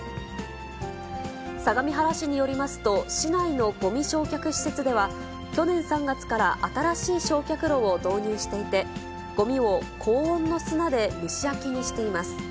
相模原市によりますと、市内のごみ焼却施設では、去年３月から新しい焼却炉を導入していて、ごみを高温の砂で蒸し焼きにしています。